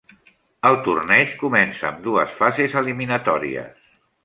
El torneig comença amb dues fases eliminatòries.